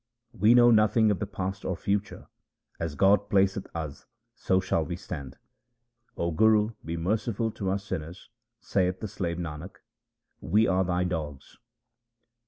We know nothing of the past or future ; as God placeth us so shall we stand. 0 Guru, be merciful to us sinners ; saith the slave Nanak, we are thy dogs.